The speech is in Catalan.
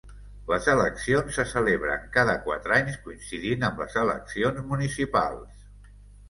Les eleccions se celebren cada quatre anys, coincidint amb les eleccions municipals.